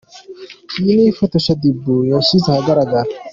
Iyi niyo foto Shaddy Boo yashyize ahagaragara.